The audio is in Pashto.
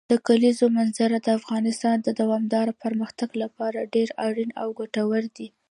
د کلیزو منظره د افغانستان د دوامداره پرمختګ لپاره ډېر اړین او ګټور دی.